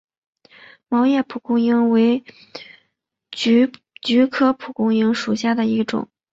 毛叶蒲公英为菊科蒲公英属下的一个种。